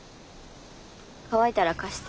乾いたら貸して。